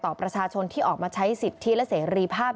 ประชาชนที่ออกมาใช้สิทธิและเสรีภาพ